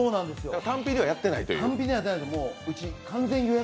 単品ではやってないという。